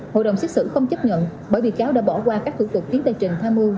hội đồng xét xử không chấp nhận bởi bị cáo đã bỏ qua các thủ tục kiến tay trình tham mưu